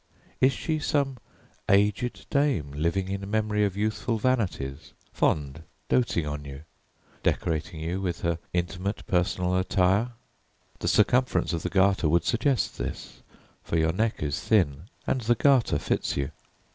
Is she some aged dame living in memory of youthful vanities, fond, doting on you, decorating you with her intimate personal attire? The circumference of the garter would suggest this, for your neck is thin, and the garter fits you.